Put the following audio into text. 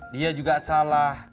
dia juga salah